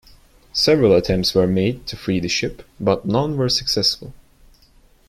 Several attempts were made to free the ship, but none were successful.